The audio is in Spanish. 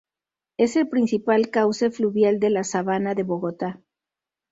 Es el principal cauce fluvial de la sabana de Bogotá.